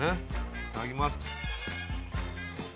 いただきます。